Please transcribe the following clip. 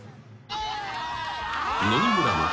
［野々村真］